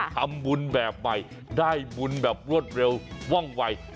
ทำบุญแบบใหม่ได้บุญแบบรวดเร็วว่องวัย